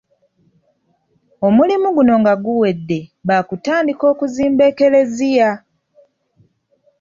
Omulimu guno nga guwedde baakutandika okuzimba ekkereziya.